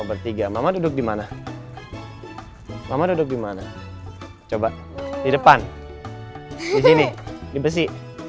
bertiga mama duduk dimana mama duduk dimana coba di depan disini di besi